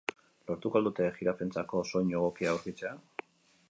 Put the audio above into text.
Lortuko al dute jirafentzako soinu egokia aurkitzea?